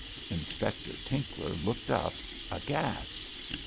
Inspector Tinkler looked up aghast.